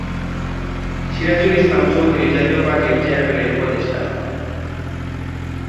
সিরাজুল ইসলাম চৌধুরী জাতীয় পার্টির চেয়ারম্যানের উপদেষ্টা।